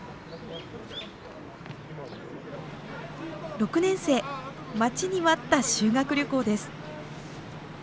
６年生待ちに待った修学旅行です。